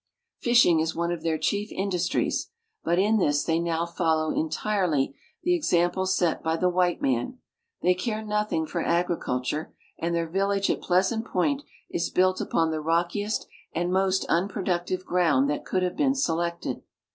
Fishing is one of their chief industries, but in this they now follow entirely the example set by the white man ; they care nothing for agriculture, and their village at Pleasant point is built upon the rockiest and ALL AROUND THE BA Y OF PASSAMAQUODDY 19 most unproductive ground that could have been selected.